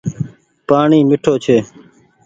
پآڻيٚ ميِٺو ڇي۔